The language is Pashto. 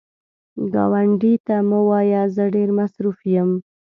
ګاونډي ته مه وایه “زه ډېر مصروف یم”